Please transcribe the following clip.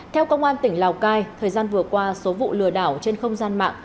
theo công an tỉnh lào cai thời gian vừa qua số vụ lừa đảo trên không gian mạng